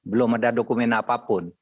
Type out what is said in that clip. belum ada dokumen apapun